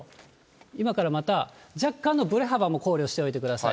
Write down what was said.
今からまた、若干のぶれ幅も考慮しておいてください。